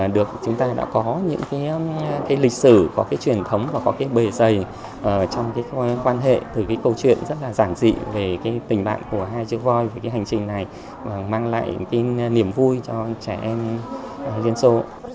được chúng ta đã có những cái lịch sử có cái truyền thống và có cái bề dày trong cái quan hệ từ cái câu chuyện rất là giản dị về cái tình bạn của hai chiếc voi về cái hành trình này mang lại cái niềm vui cho trẻ em liên xô